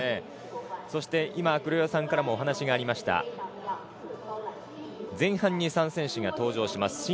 そして、黒岩さんからもお話がありました前半に３選手が登場します。